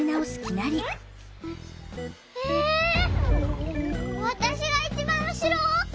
えわたしがいちばんうしろ？